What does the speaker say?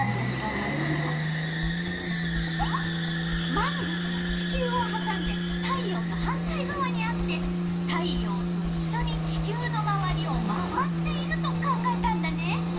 満月は地球をはさんで太陽の反対がわにあって太陽といっしょに地球のまわりを回っていると考えたんだね。